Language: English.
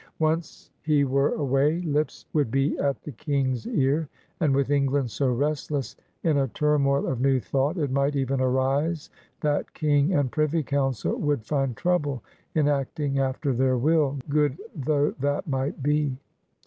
Once he were away, lips would be at the King's ear. And with England so restless, in a turmoil of new thought, it might even arise that King and Privy Coimcil would find trouble in acting after their will, good though that might be.